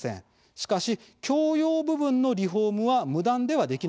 しかし共用部分のリフォームは無断ではできないんですね。